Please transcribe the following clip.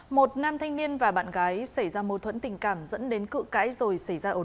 một nam thanh niên và bạn gái